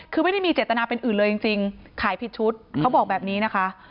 คือไม่ได้มีเจตนาเป็นอื่นเลยจริงขายผิดชุดเขาบอกแบบนี้นะคะ